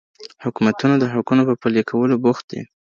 حکومتونه د حقونو په پلي کولو بوخت دي.